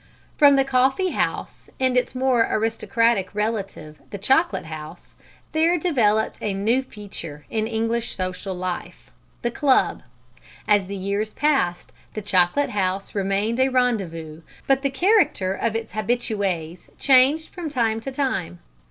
From the coffee house and its more aristocratic relative the chocolate house, there developed a new feature in English social life the Club. As the years passed the Chocolate House remained a rendezvous, but the character of its habitués changed from time to time.